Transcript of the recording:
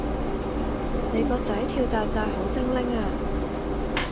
你個仔跳紥紥好精靈呀